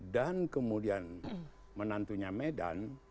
dan kemudian menantunya medan